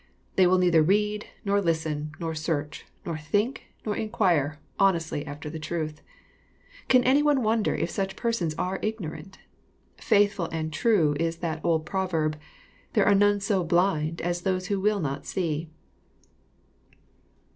They will neither read, nor listen, nor search, nor think, nor inquire, honestly after truth. Can any one wonder if such persons are ignorant? Faithful and true is that old proverb, —" There are none so blind as those who will not see."